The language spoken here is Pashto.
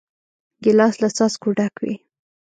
ګیلاس له څاڅکو ډک وي.